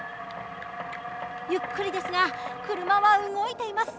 ゆっくりですが車は動いています。